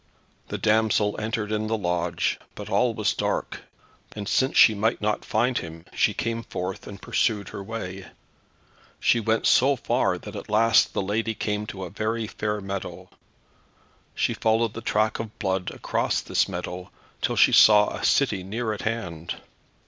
The damsel entered in the lodge, but all was dark, and since she might not find him, she came forth, and pursued her way. She went so far that at the last the lady came to a very fair meadow. She followed the track of blood across this meadow, till she saw a city near at hand.